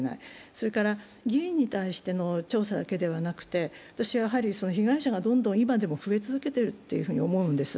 それから議員に対しての調査だけではなくて、私は被害者がどんどん今でも増え続けていると思うんです。